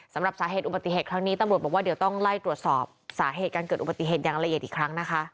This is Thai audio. สำหรับสาเหตุอุบัติเหตุครั้งนี้ตำรวจบอกว่าเดี๋ยวต้องไล่ตรวจสอบสาเหตุการเกิดอุบัติเหตุอย่างละเอียดอีกครั้งนะคะ